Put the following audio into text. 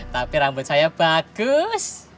tapi rambut saya bagus